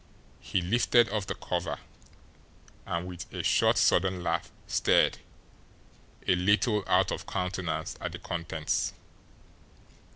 He lifted off the cover, and, with a short, sudden laugh, stared, a little out of countenance, at the contents.